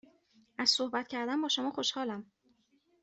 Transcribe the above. از صحبت کردن با شما خوشحالم.